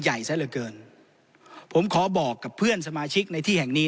ใหญ่ซะเหลือเกินผมขอบอกกับเพื่อนสมาชิกในที่แห่งนี้